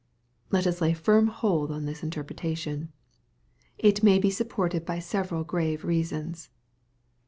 Let us lay firm hold on this interpretation. It may be supported by several grave reasons.